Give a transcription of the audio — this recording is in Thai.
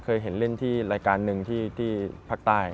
เคยเห็นเล่นที่รายการหนึ่งที่ภาคใต้